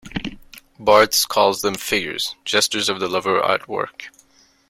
Barthes calls them "figures"—gestures of the lover at work.